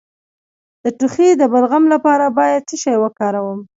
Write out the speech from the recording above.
د ټوخي د بلغم لپاره باید څه شی وکاروم؟